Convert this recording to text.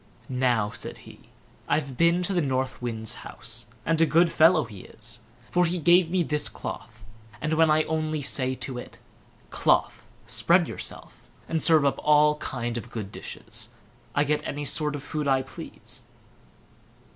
"Now", said he, "I've been to the North Wind's house, and a good fellow he is, for he gave me this cloth, and when I only say to it, 'Cloth, spread yourself, and serve up all kind of good dishes', I get any sort of food I please."